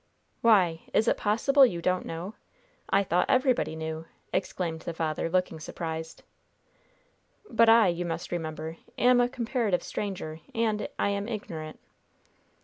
"Why! is it possible you don't know? I thought everybody knew!" exclaimed the father, looking surprised. "But I, you must remember, am a comparative stranger, and I am ignorant."